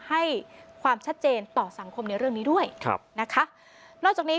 ให้ความชัดเจนต่อสังคมในเรื่องนี้ด้วยครับนะคะนอกจากนี้